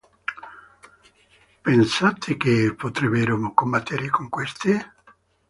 Pensate che potrebbero combattere con queste?